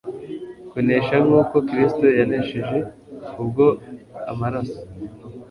kunesha nkuko Kristo yanesheje kubwo amaraso